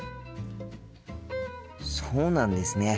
そうなんですね。